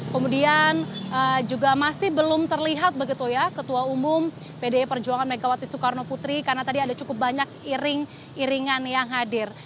kemudian juga masih belum terlihat begitu ya ketua umum pdi perjuangan megawati soekarno putri karena tadi ada cukup banyak iring iringan yang hadir